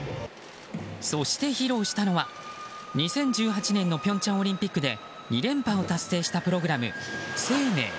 そして、披露したのは２０１８年の平昌オリンピックで２連覇を達成したプログラム「ＳＥＩＭＥＩ」。